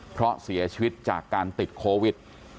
เพราะเสียชีวิตจากการติดโควิด